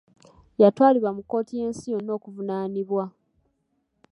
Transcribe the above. Yatwalibwa mu kkooti y'ensi yonna okuvunaanibwa.